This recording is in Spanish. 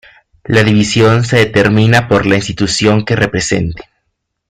La división se determina por la institución que representen.